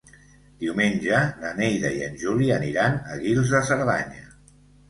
Diumenge na Neida i en Juli aniran a Guils de Cerdanya.